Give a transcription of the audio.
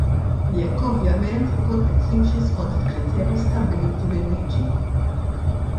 Jekk ovvjament ikun qed jimxi skont il-kriterji stabbiliti mil-liġi.